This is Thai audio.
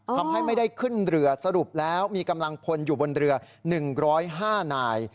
ทำให้ไม่ได้ขึ้นเรือสรุปแล้วมีกำลังพลอยู่บนเรือ๑๐๕นาย